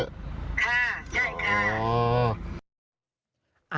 ค่ะใช่ค่ะ